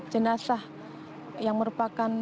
jenazah yang merupakan